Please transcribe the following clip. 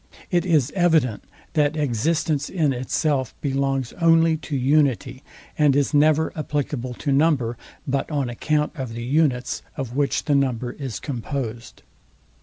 It is evident, that existence in itself belongs only to unity, and is never applicable to number, but on account of the unites, of which the number is composed.